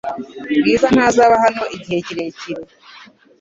Bwiza ntazaba hano igihe kirekire .